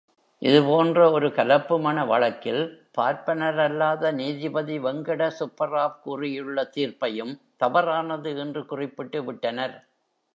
இது போன்ற ஒரு கலப்புமண வழக்கில் பார்ப்பனரல்லாத நீதிபதி வெங்கடசுப்பராவ் கூறியுள்ள தீர்ப்பையும் தவறானது என்று குறிப்பிட்டு விட்டனர்.